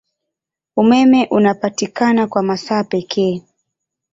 Umeme unapatikana kwa masaa pekee.